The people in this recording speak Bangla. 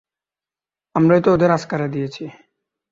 আমরাই তো ওদের আস্কারা দিয়েছি।